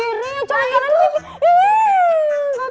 itu kenapa ya kenapa kok bisa